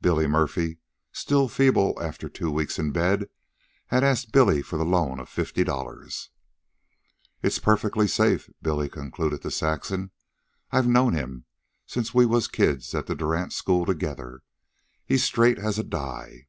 Billy Murphy, still feeble after two weeks in bed, had asked Billy for the loan of fifty dollars. "It's perfectly safe," Billy concluded to Saxon. "I've known him since we was kids at the Durant School together. He's straight as a die."